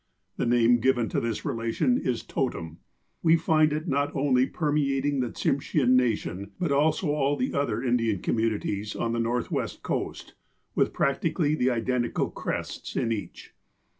The name given to this relation is '' totem." We find it not only permeating the Tsimshean nation, but also all the other Indian communities on the Northwest coast, with prac tically the identical crests in each.